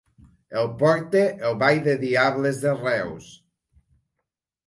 El porta el Ball de diables de Reus.